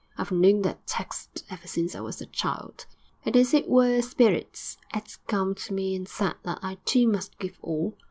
'I've known that text ever since I was a child.' 'And as it were a Spirit 'as come to me and said that I too must give all.